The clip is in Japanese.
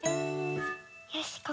よし！